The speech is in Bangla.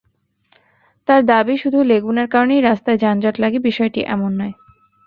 তাঁর দাবি, শুধু লেগুনার কারণেই রাস্তায় যানজট লাগে বিষয়টি এমন নয়।